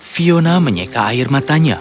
fiona menyeka air matanya